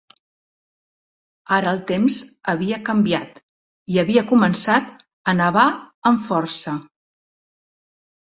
Ara el temps havia canviat i havia començat a nevar amb força.